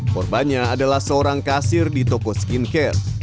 korbannya adalah seorang kasir di toko skincare